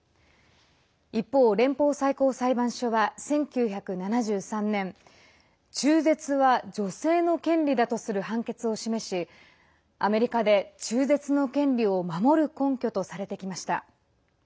一方、連邦最高裁判所は１９７３年中絶は女性の権利だとする判決を示しアメリカで中絶の権利を守る根拠とされてきました。